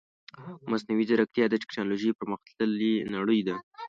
مصنوعي ځيرکتيا د تکنالوژي پرمختللې نړۍ ده .